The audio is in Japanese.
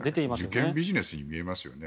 受験ビジネスに見えますよね。